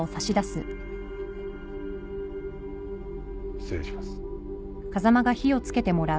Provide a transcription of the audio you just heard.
失礼します。